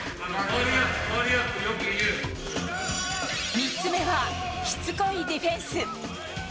３つ目はしつこいディフェンス。